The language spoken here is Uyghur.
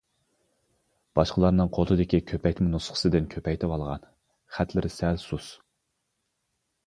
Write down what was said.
باشقىلارنىڭ قولىدىكى كۆپەيتمە نۇسخىسىدىن كۆپەيتىۋالغان، خەتلىرى سەل سۇس.